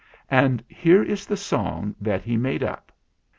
And here is the song that he made up.